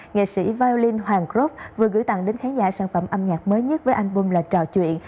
nghệ sĩ violin hoàng crop vừa gửi tặng đến khán giả sản phẩm âm nhạc mới nhất với album là trò chuyện